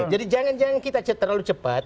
jadi jangan jangan kita cerita terlalu cepat